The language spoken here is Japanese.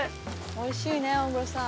おいしいね大黒さん。